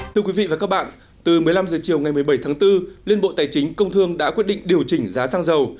thưa quý vị và các bạn từ một mươi năm h chiều ngày một mươi bảy tháng bốn liên bộ tài chính công thương đã quyết định điều chỉnh giá xăng dầu